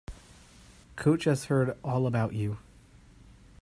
Coach has heard all about you.